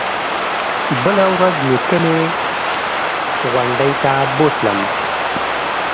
بله ورځ نيكه مې غونډۍ ته بوتلم.